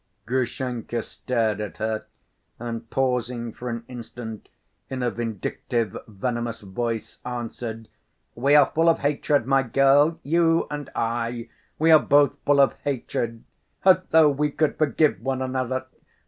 Grushenka stared at her and, pausing for an instant, in a vindictive, venomous voice, answered: "We are full of hatred, my girl, you and I! We are both full of hatred! As though we could forgive one another!